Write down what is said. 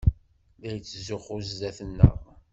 La yettzuxxu zdat-neɣ.